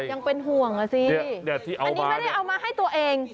ยังเป็นห่วงอ่ะสิอันนี้ไม่ได้เอามาให้ตัวเอง